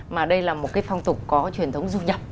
mà đây là một cái phong tục có truyền thống du nhập